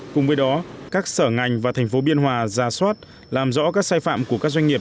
cùng với đó các sở ngành và thành phố biên hòa ra soát làm rõ các sai phạm của các doanh nghiệp